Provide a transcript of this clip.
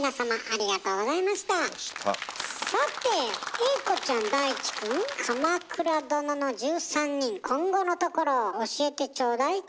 さて栄子ちゃん大地くん「鎌倉殿の１３人」今後のところを教えてちょうだい。